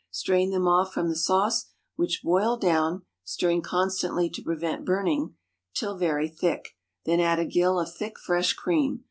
Strain them off from the sauce, which boil down (stirring constantly to prevent burning) till very thick; then add a gill of thick fresh cream.